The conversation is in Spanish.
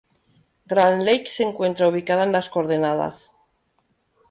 Grand Lake se encuentra ubicada en las coordenadas